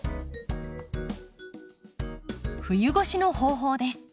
冬越しの方法です。